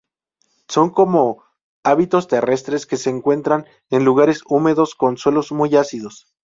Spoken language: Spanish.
Son con hábitos terrestres que se encuentran en lugares húmedos con suelos muy ácidos.